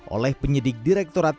oleh penyidik direkturat